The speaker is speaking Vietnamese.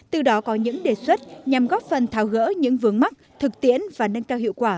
từ đó có những đề xuất nhằm góp phần tháo gỡ những vướng mắt thực tiễn và nâng cao hiệu quả